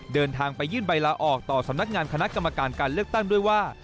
เดินทางไปยื่นใบลาออกต่อสำนักงานคณะกรรมการการเลือกตั้งด้วยว่า